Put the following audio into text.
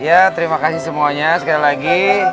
ya terima kasih semuanya sekali lagi